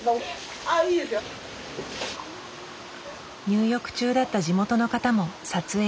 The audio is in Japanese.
入浴中だった地元の方も撮影ＯＫ。